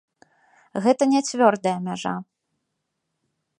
Гэта не цвёрдая мяжа.